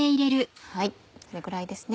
これぐらいですね。